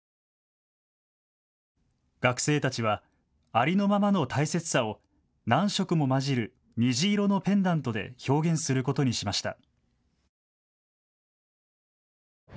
学生たちはありのままの大切さを何色も混じるにじいろのペンダントで表現することにしました。